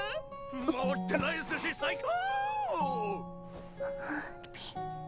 回ってない寿司最高！